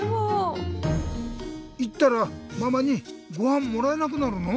いったらママにごはんもらえなくなるの？